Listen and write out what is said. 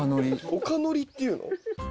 おかのりっていうの？